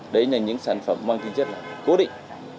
đấy là những sản phẩm mang tính chất là cố định